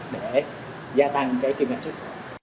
để gia tăng cái kinh doanh sức